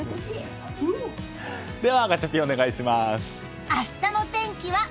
では、ガチャピンお願いします。